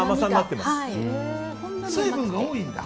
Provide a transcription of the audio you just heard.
水分が多いんだ？